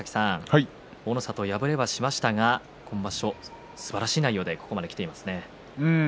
大の里、敗れはしましたが今場所、すばらしい内容でここまできていますね。